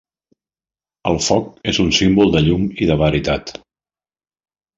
El foc és un símbol de llum i de veritat.